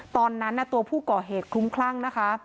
ตอนนั้นตัวผู้ก่อเหตุคลุ้มคลั่งนะคะ